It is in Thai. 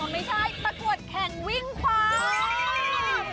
อ๋อไม่ใช่ประกวดแข่งวิ่งควาย